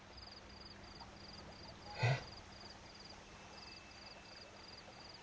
えっ？